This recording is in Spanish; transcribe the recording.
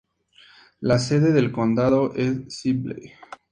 La sede del condado es Sibley.